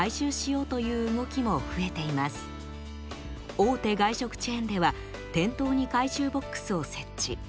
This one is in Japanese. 大手外食チェーンでは店頭に回収ボックスを設置。